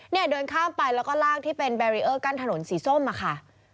เนี่ยเดินข้ามไปแล้วก็ลากที่เป็นแบรีเออร์กั้นถนนสีส้มมาค่ะ